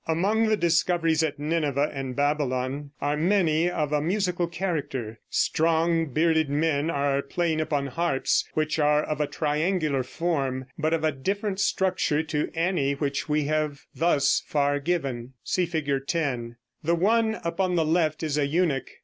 Among the discoveries at Nineveh and Babylon are many of a musical character. Strong bearded men are playing upon harps which are of a triangular form, but of a different structure to any which we have thus far given. (See Fig. 10.) The one upon the left is a eunuch.